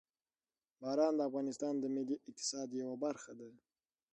باران د افغانستان د ملي اقتصاد یوه برخه ده.